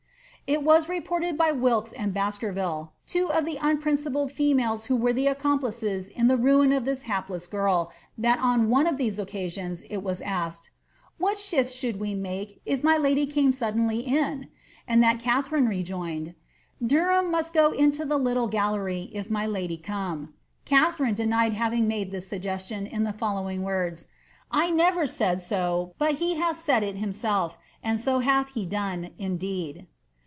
"^ It was reported by Wilks and Baskerville, two of the unprincipled females who were the accomplices in the ruin of this hapless girl, that on one of these occasions it was asked, ^^ What shifts should we make if my lady came suddenly in ?" and tliat Katharine rejoined, '' Derham most go into the little gallery if my lady come." Katharine denied kaving made this suggestion in the following words :^ I never said so, but he hath said it himself, and so hath he done, indeed."